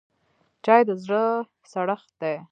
چای د زړه سړښت دی